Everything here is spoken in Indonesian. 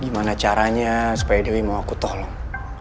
gimana caranya supaya dewi mau aku tolong